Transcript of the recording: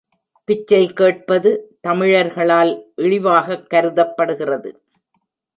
பிச்சை கேட்பது, தமிழர்களால் இழிவாகக் கருதப்படுகிறது.